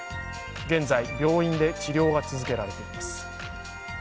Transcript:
現在、病院で治療が続けられています。